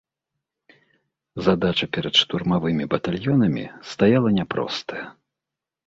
Задача перад штурмавымі батальёнамі стаяла няпростая.